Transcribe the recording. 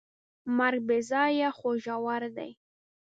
مرګ بېځانه خو ژور دی.